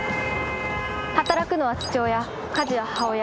働くのは父親家事は母親。